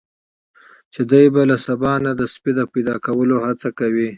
چې دی به له سبا نه د سپي د پیدا کولو هڅه کوي.